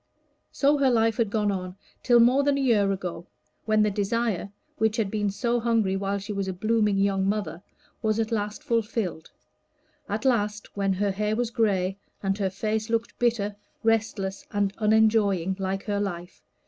So her life had gone on till more than a year ago, when that desire which had been so hungry when she was a blooming young mother, was at last fulfilled at last, when her hair was gray, and her face looked bitter, restless, and unenjoying, like her life.